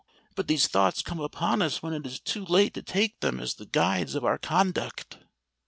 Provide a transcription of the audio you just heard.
But these thoughts come upon us when it is too late to take them as the guides of our conduct."